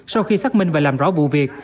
sau khi xác minh và làm rõ vụ việc